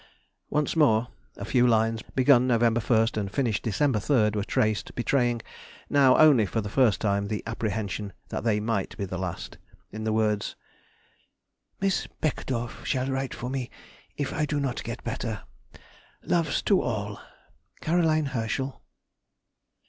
Once more a few lines, begun November 1st, and finished December 3rd, were traced, betraying, now only for the first time, the apprehension that they might be the last, in the words— Miss Beckedorff shall write for me if I do not get better. Loves to all. CAROLINE HERSCHEL.